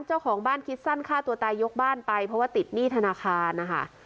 เจ้าของบ้านคิดสั้นฆ่าตัวตายยกบ้านไปเพราะว่าติดหนี้ธนาคารนะคะ